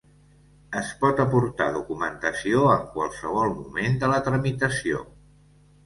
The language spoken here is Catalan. Es pot aportar documentació en qualsevol moment de la tramitació.